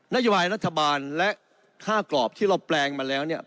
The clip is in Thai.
นโยบายรัฐบาลและ๕กรอบที่เราแปลงมาแล้วเนี่ย